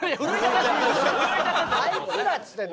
「あいつら」っつってんの？